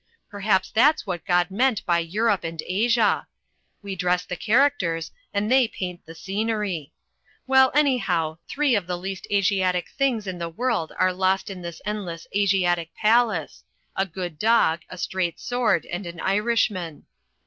Perhaps that's what God meant by Europe and Asia. We dress the characters and they paint the scenery. Well, anyhow, three of the least Asiatic things in the world are lost in this endless Asiatic palace — a good dog, a straight sword, and an Irishman.